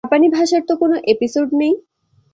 জাপানি ভাষার তো কোনো এপিসোড নেই।